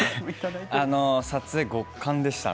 撮影は極寒でしたね。